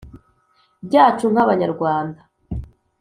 cyacu nk’abanyarwanda,